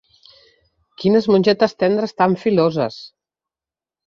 Quines mongetes tendres tan filoses!